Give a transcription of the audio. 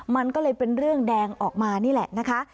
มันก็เลยเป็นเรื่องแดงออกมานี่แหละนะคะ